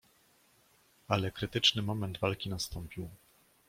"Ale krytyczny moment walki nastąpił."